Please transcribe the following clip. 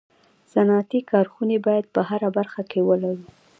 صنعتي کارخوني باید په هره برخه کي ولرو